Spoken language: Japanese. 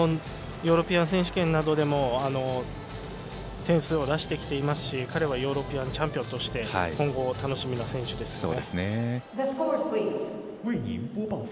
ヨーロピアン選手権などでも点数を出してきていますし、彼はヨーロピアンチャンピオンとして今後楽しみな選手です。